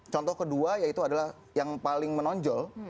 contoh kedua yaitu adalah yang paling menonjol